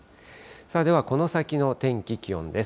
ではこの先の天気、気温です。